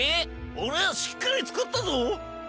オレはしっかりつくったぞ！